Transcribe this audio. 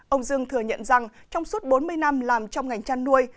ông dương thừa nhận rằng trong suốt bốn mươi năm làm trong ngành chăn nuôi